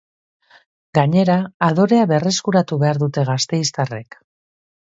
Gainera, adorea berreskuratu behar dute gasteiztarrek.